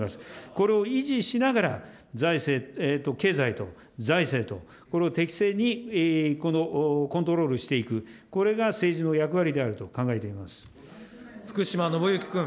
これを維持しなければ、財政、経済と財政と、これを適正にコントロールしていく、これが政治の役割であると考福島伸享君。